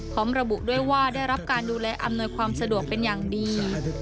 พร้อมระบุด้วยว่าได้รับการดูแลอำนวยความสะดวกเป็นอย่างดี